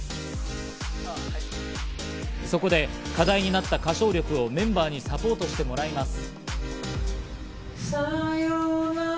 そこで課題になった歌唱力をメンバーにサポートしてもらいます。